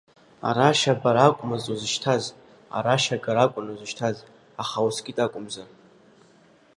Арашь абара акәмызт узышьҭаз, арашь агара акәын узышьҭаз, аха ускит акәымзар.